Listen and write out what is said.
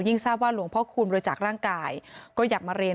ยิ่งทราบว่าหลวงพระคูณรู้จักร่างกายก็อยากมาเรียน